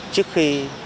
trước khi mua